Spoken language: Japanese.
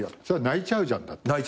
それ泣いちゃうじゃんだって。